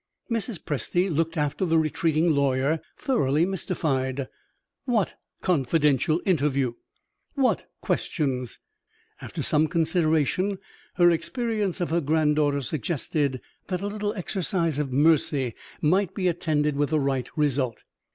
Mrs. Presty looked after the retreating lawyer thoroughly mystified. What "confidential interview"? What "questions"? After some consideration, her experience of her granddaughter suggested that a little exercise of mercy might be attended with the right result.